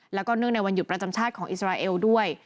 แล้วก็เนื่องในวันหยุดประจำชาติของอิสราเอลด้วย